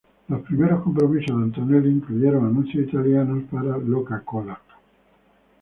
Los primeros compromisos de Antonelli incluyeron anuncios italianos para Coca-Cola.